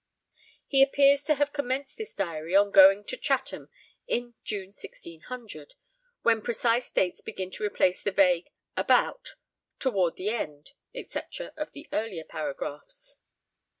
He appears to have commenced this diary on going to Chatham in June 1600, when precise dates begin to replace the vague 'about,' 'toward the end,' &c., of the earlier paragraphs.